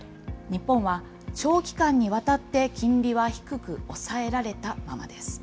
日本は長期間にわたって金利は低く抑えられたままです。